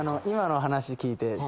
今の話聞いて。